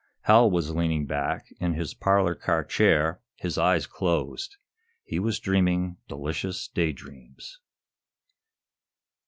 Hal was leaning back in his parlor car chair, his eyes closed. He was dreaming delicious daydreams.